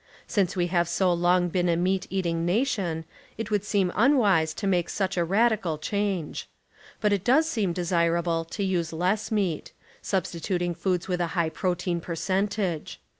Since we have so long been a meat eating nation, it would seem unwise to make such 13 a radical iliango. IJut it docs st'cm dcsirablf to use less meat, substituting foods with a high protein percentage.